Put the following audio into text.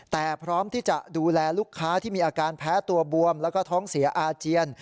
แต่พร้อมที่จะดูแลลูกค้าที่มีอาการแพ้ตัวบวมแล้วก็ท้องเสียอาเจียน